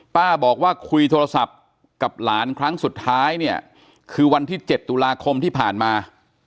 ป้าบอกว่าคุยโทรศัพท์กับหลานครั้งสุดท้ายเนี่ยคือวันที่๗ตุลาคมที่ผ่านมา